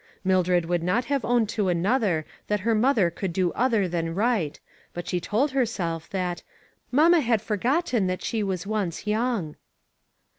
Mildred would not have owned to another that her mother could do other than right, but she told herself that " mamma had forgotten that she was once young."